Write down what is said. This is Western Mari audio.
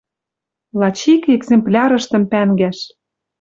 Лач ик экземплярыштым пӓнгӓш